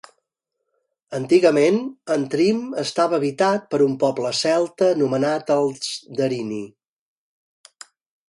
Antigament, Antrim estava habitat per un poble celta anomenat els darini.